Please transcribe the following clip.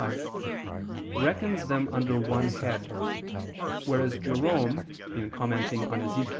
iv, 25) reckons them under one head: whereas Jerome (in commenting on Ezech.